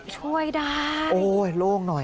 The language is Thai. ช่วยได้โอ้ยโล่งหน่อย